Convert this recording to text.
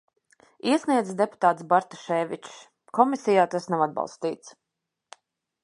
Iesniedzis deputāts Bartaševičs, komisijā tas nav atbalstīts.